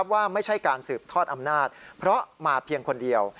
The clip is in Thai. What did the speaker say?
ว่าไม่ใช่การสืบทอดอำนาจเพราะมาเพียงคนเดียว